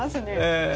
ええ。